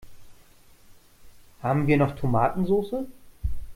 Haben wir noch Tomatensoße?